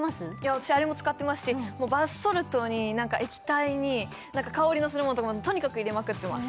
私あれも使ってますしもうバスソルトに液体に香りのするものとかもとにかく入れまくってます